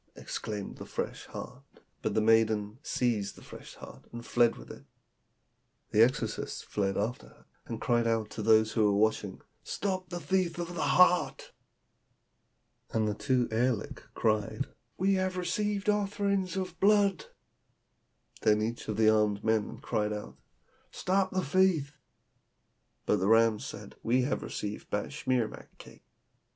exclaimed the fresh heart; but the maiden seized the fresh heart and fled with it. The exorcists fled after her, and cried out to those who were watching, 'Stop the thief of the heart!' And the two aerliks (fiends) cried, 'We have received offerings of blood!' Then each of the armed men cried out, 'Stop the thief!' But the rams said, 'We have received batschimak cakes.'